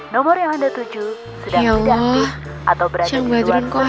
nomor yang anda tujuh dan berada di luar service area